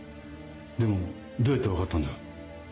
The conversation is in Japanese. でもどうやって分かったんだよ？